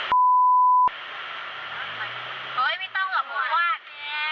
เฮ้ยไม่ต้องหวานจะถึงบ้านอยู่แล้ว